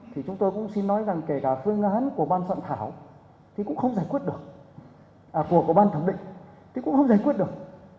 thì chúng tôi cũng xin nói rằng kể cả phương án của ban soạn thảo thì cũng không giải quyết được của ban thẩm định thì cũng không giải quyết được